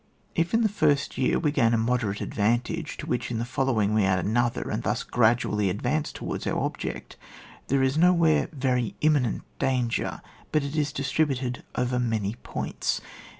If in the first year we gain a moderate advantage, to which in the following we add another, and thus gradually advance towards our object, there is nowhere very imminent danger, but it is distributed over many points.